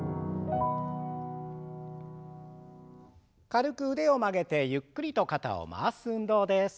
軽く腕を曲げてゆっくりと肩を回す運動です。